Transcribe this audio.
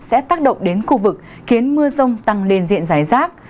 sẽ tác động đến khu vực khiến mưa rông tăng lên diện giải rác